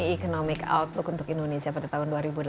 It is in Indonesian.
economic outlook untuk indonesia pada tahun dua ribu enam belas